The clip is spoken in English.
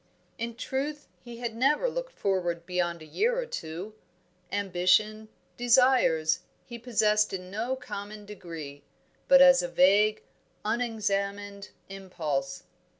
In truth, he had never looked forward beyond a year or two. Ambition, desires, he possessed in no common degree, but as a vague, unexamined impulse.